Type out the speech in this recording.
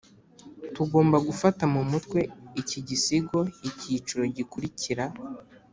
tugomba gufata mu mutwe iki gisigo icyiciro gikurikira.